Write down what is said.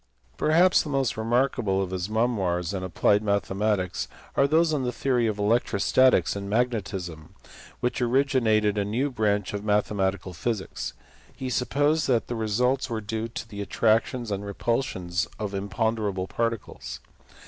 Perhaps the most remarkable of his memoirs in applied mathematics are those on the theory of electrostatics and magnetism, which originated a new branch of mathematical physics : he supposed that the results were due to the attractions and repulsions of imponderable particles.